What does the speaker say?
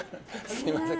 すみません。